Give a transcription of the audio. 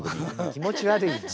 気持ち悪いよ。